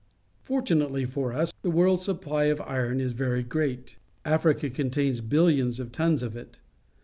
Fortunatelj' for us, the world's supply of iron is very great. Africa contains billions of tons of it.